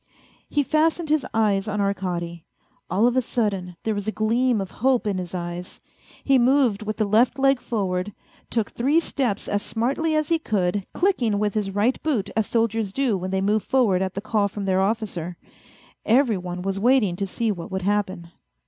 He fastened his eyes on Arkady. All of a sudden there was a gleam of hope in his eyes ; he moved with the left leg forward, took three steps as smartly as he could, clicking with his right boot as soldiers do when they move forward at the call from their officer. Every one was waiting to see what would happen.